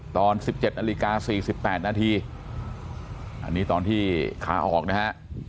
ตอนสิบเจ็ดนาฬิกาสี่สิบแปดนาทีอันนี้ตอนที่ขาออกนะฮะ